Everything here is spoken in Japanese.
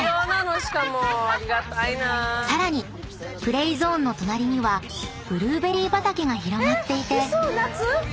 ［さらにプレイゾーンの隣にはブルーベリー畑が広がっていて］